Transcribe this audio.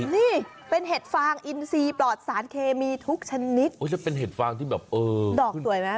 นี่เป็นเห็ดฟางอินทรีย์ปลอดสารเคมีทุกชนิดจะเป็นเห็ดฟางที่แบบดอกสวยมั้ย